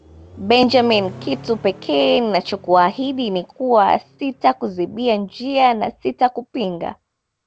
Benjamin kitu pekee ninachokuahidi ni kuwa sitakuzibia njia na sitakupinga